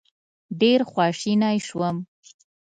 ډېر خواشینی شوم.